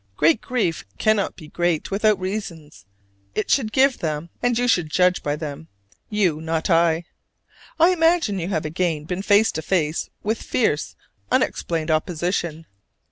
Great grief cannot be great without reasons: it should give them, and you should judge by them: you, not I. I imagine you have again been face to face with fierce, unexplained opposition.